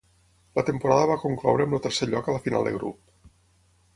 La temporada va concloure amb el tercer lloc a la final de grup.